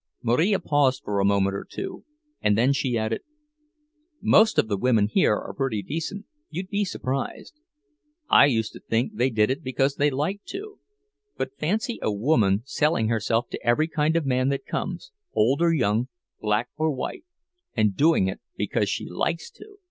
Marija paused for a moment or two, and then she added: "Most of the women here are pretty decent—you'd be surprised. I used to think they did it because they liked to; but fancy a woman selling herself to every kind of man that comes, old or young, black or white—and doing it because she likes to!"